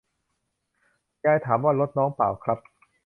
ยามถามว่า รถน้องป่าวครับ